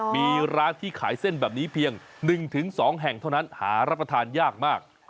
มีร้านที่ขายเส้นแบบนี้เพียง๑๒แห่งเท่านั้นหารับประทานยากมาก